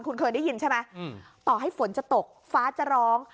คุณเคยได้ยินใช่ไหมต่อให้ฝนจะตกฟ้าจะร้อง